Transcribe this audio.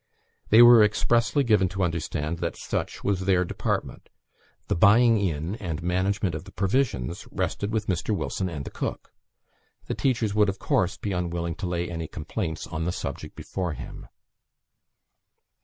They were expressly given to understand that such was their department; the buying in and management of the provisions rested with Mr. Wilson and the cook. The teachers would, of course, be unwilling to lay any complaints on the subject before him.